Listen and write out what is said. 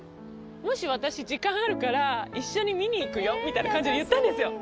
もし私時間あるから「一緒に見に行くよ」みたいな感じで言ったんですよ。